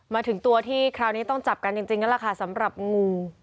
มาถึงตัวที่คราวนี้ต้องจับกันจริงแล้วล่ะค่ะสำหรับงู